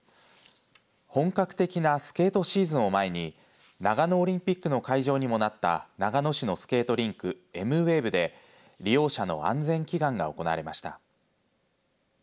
本格的なスケートシーズンを前に長野オリンピックの会場にもなった長野市のスケートリンクエムウェーブで利用者の安全祈願が行われました。